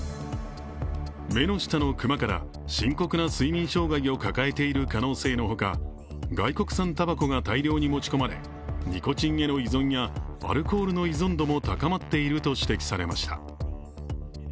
目の下のクマから深刻な睡眠障害を抱えている可能性のほか外国産たばこが大量に持ち込まれ、ニコチンへの依存やアルコールの依存度も高まっていると指摘されました。